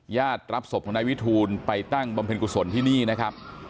ญาติรับศพของนายวิทูลไปตั้งบำเพ็ญกุศลที่นี่นะครับ